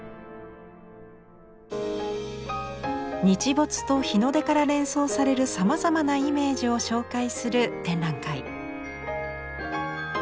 日没と日の出から連想されるさまざまなイメージを紹介する展覧会。